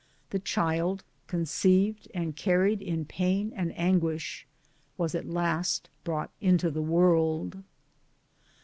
The child, conceived and carried in pain and anguish, was at last brought into the world.